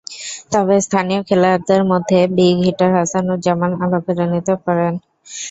তবে স্থানীয় খেলোয়াড়দের মধ্যে বিগ হিটার হাসানুজ্জামান আলো কেড়ে নিতে পারেন।